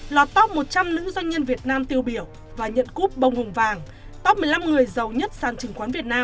lọt top một trăm linh nữ doanh nhân việt nam tiêu biểu và nhận cúp bông hồng vàng top một mươi năm người giàu nhất sàn chứng khoán việt nam